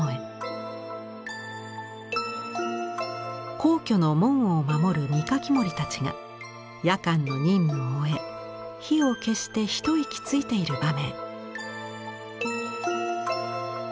皇居の門を守る御垣守たちが夜間の任務を終え火を消して一息ついている場面。